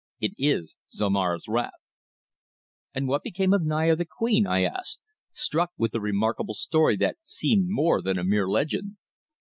It is Zomara's Wrath." "And what became of Naya, the queen?" I asked, struck with the remarkable story that seemed more than a mere legend.